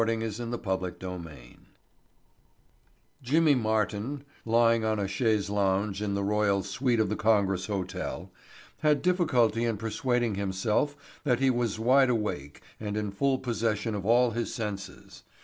Chapter Twenty Eight Jimmy Martin, couchant on a chaise longue in the royal suite of the Congress Hotel, had difficulty in persuading himself that he was wide awake and in full possession of all his senses.